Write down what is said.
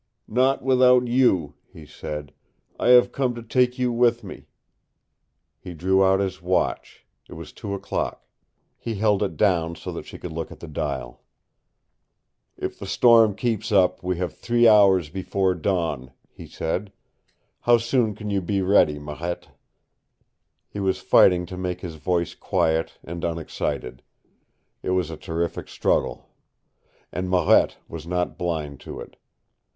"Not without you," he said. "I have come to take you with me." He drew out his watch. It was two o'clock. He held it down so that she could look at the dial. "If the storm keeps up, we have three hours before dawn," he said. "How soon can you be ready, Marette?" He was fighting to make his voice quiet and unexcited. It was a terrific struggle. And Marette was not blind to it.